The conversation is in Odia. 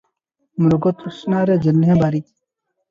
ମୃଗତୃଷ୍ଣାରେ ଯେହ୍ନେ ବାରି ।